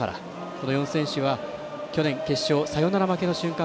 この４選手は去年決勝サヨナラ負けの瞬間